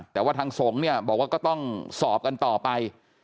แต่ว่าทางสงฆ์เนี่ยบอกว่าก็ต้องสอบกันต่อไป